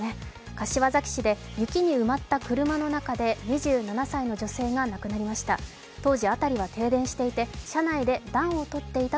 柏崎市で雪に埋まった車の中で２７歳の女性が亡くなりました。